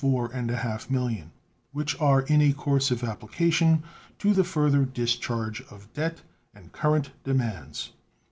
5 millions which are in a course of application to the further discharge of debt and current demands.